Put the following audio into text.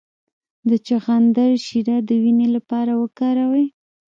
د چغندر شیره د وینې لپاره وکاروئ